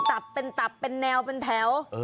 ตับเป็นตับเป็นแนวเป็นแถว